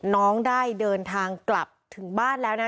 น้องได้เดินทางกลับถึงบ้านแล้วนะ